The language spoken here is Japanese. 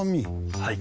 はい。